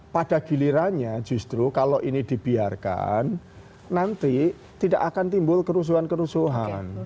pada gilirannya justru kalau ini dibiarkan nanti tidak akan timbul kerusuhan kerusuhan